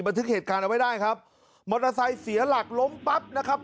ทึกเหตุการณ์เอาไว้ได้ครับมอเตอร์ไซค์เสียหลักล้มปั๊บนะครับ